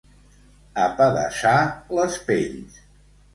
Apedaçar les pells.